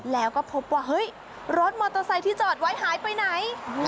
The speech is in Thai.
แล้วก็พบว่าเฮ้ยรถมอเตอร์ไซค์ที่จอดไว้หายไปไหน